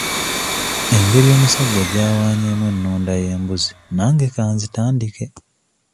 Engeri omusajja gy'awanyeemu ennunda y'embuzi nange ka nzitandike.